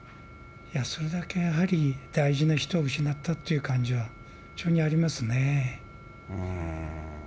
それだけやはり大事な人を失ったという感じが非常にありますね。